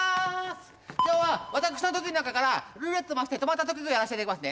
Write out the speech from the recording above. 今日は私の特技の中からルーレット回して止まった特技をやらせていただきますね